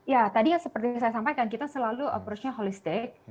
ya tadi seperti saya sampaikan kita selalu approach nya holistik